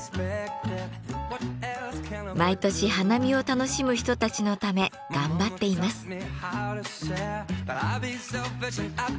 毎年花見を楽しむ人たちのため頑張っています。